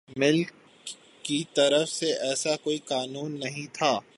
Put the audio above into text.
مل کی طرف سے ایسا کوئی قانون نہیں تھا